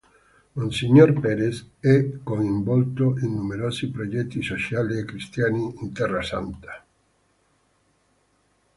Monsignor Perez è coinvolto in numerosi progetti sociali e cristiani in Terra Santa.